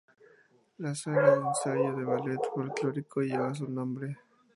La sala de ensayo del Ballet Folklórico lleva su nombre.